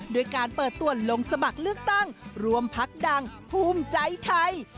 ด้วยการเปิดตัวลงสมัครเลือกตั้งรวมพักดังภูมิใจไทย